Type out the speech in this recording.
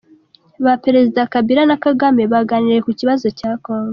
Ba Perezida Kabila na Kagame baganiriye ku kibazo cya congo